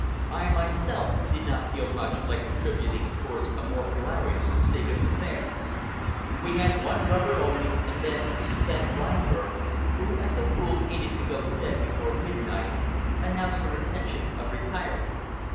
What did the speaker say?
I myself did not feel much like contributing towards a more hilarious state of affairs. We had one rubber only, and then Mrs. Van Reinberg, who as a rule hated to go to bed before midnight, announced her intention of retiring.